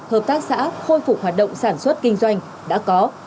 hợp tác xã khôi phục hoạt động sản xuất kinh doanh đã có